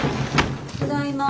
はい！